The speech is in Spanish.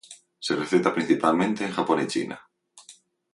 Se receta principalmente en Japón y China.